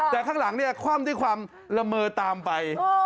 แต่ข้างหลังเนี่ยคว่ำด้วยความละเมอตามไป